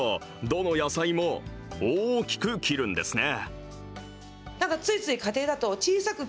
どの野菜も、大きく切るんですね。